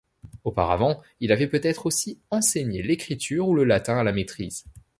Auparavant, il avait peut-être aussi enseigné l'écriture ou le latin à la maîtrise.